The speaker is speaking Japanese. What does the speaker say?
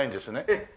ええ。